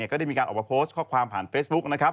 ก็ได้มีการออกมาโพสต์ข้อความผ่านเฟซบุ๊คนะครับ